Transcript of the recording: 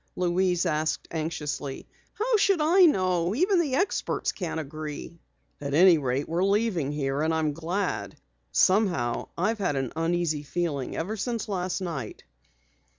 Louise asked anxiously. "How should I know? Even the experts can't agree." "At any rate we're leaving here, and I'm glad. Somehow, I've had an uneasy feeling ever since last night."